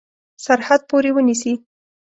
سرحد پوري ونیسي.